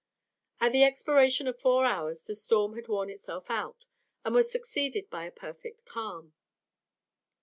At the expiration of four hours the storm had worn itself out, and was succeeded by a perfect calm.